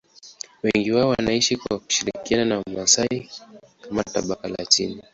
Wengi wao wanaishi kwa kushirikiana na Wamasai kama tabaka la chini.